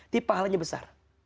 tapi pahalanya besar